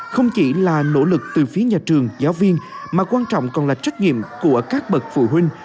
không chỉ là nỗ lực từ phía nhà trường giáo viên mà quan trọng còn là trách nhiệm của các bậc phụ huynh